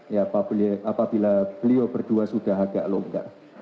ya apabila beliau berdua sudah agak longgar